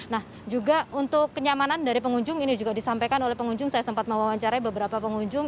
nah juga untuk kenyamanan dari pengunjung ini juga disampaikan oleh pengunjung saya sempat mewawancarai beberapa pengunjung